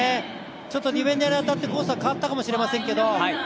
ちょっとディフェンダーに当たってコースは変わったかもしれませんけど。